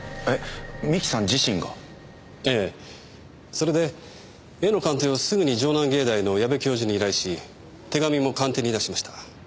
それで絵の鑑定をすぐに城南芸大の矢部教授に依頼し手紙も鑑定に出しました。